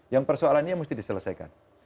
yang persoalannya mesti diselesaikan